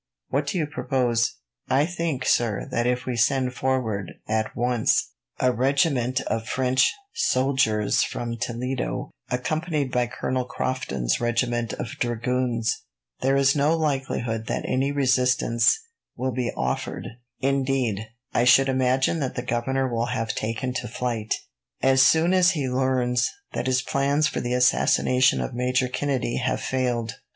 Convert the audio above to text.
What do you propose?" "I think, sir, that if we send forward, at once, a regiment of French soldiers from Toledo, accompanied by Colonel Crofton's regiment of dragoons, there is no likelihood that any resistance will be offered indeed, I should imagine that the governor will have taken to flight, as soon as he learns that his plans for the assassination of Major Kennedy have failed."